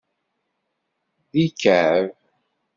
D ikɛeb.